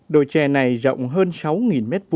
đồi chè này rộng hơn sáu m hai